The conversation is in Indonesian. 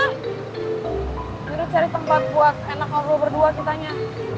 kita cari tempat buat enak ngobrol berdua kitanya